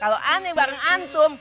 kalau aneh bareng antum